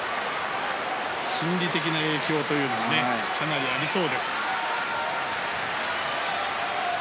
心理的な影響というのがかなりありそうです。